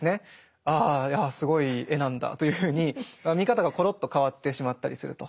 「ああすごい絵なんだ」というふうに見方がころっと変わってしまったりすると。